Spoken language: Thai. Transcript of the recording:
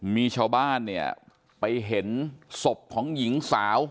มีชาวบ้านเนี่ยไปเห็นศพของหญิงสาว